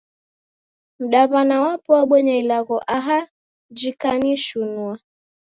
Mdaw'ana wapo wabonya ilagho aha jikanishinua!